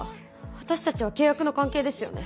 私たちは契約の関係ですよね？